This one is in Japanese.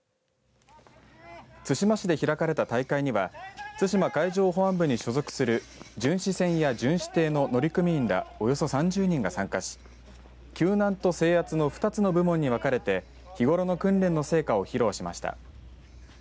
対馬市で開かれた大会には対馬海上保安部に所属する巡視船や巡視艇の乗組員らおよそ３０人が参加し救難と制圧の２つの部門に分かれて日頃の訓練の成果を披露しました。